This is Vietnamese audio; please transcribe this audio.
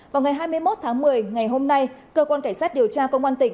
vào ngày hai mươi một tháng một mươi ngày hôm nay cơ quan cảnh sát điều tra công an tỉnh